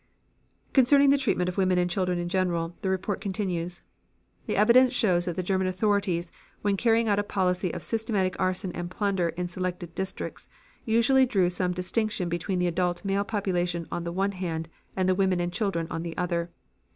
Concerning the treatment of women and children in general, the report continues: "The evidence shows that the German authorities, when carrying out a policy of systematic arson and plunder in selected districts, usually drew some distinction between the adult male population on the one hand and the women and children on the other.